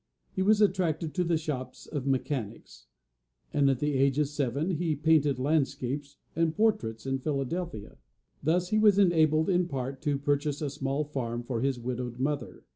He was attracted to the shops of mechanics; and at the age of seven he painted landscapes and portraits in Philadelphia. Thus he was enabled in part to purchase a small farm for his widowed mother.